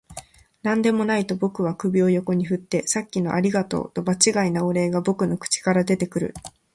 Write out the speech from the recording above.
「何でもない」と僕は首を横に振って、「さっきのありがとう」と場違いなお礼が僕の口から出てくる